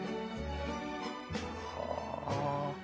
はあ。